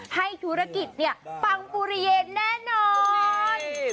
ให้ธุรกิจเนี่ยปังปุริเยนแน่นอน